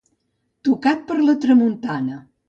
Tocat per la tramuntana.